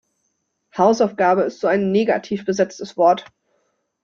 Hausaufgabe ist so ein negativ besetztes Wort.